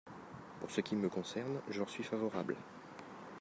Pour ce qui me concerne, je leur suis favorable.